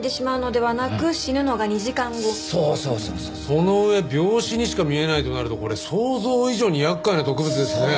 その上病死にしか見えないとなるとこれ想像以上に厄介な毒物ですね。